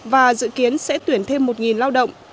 và dự kiến sẽ tuyển thêm một lao động